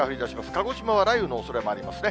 鹿児島は雷雨のおそれもありますね。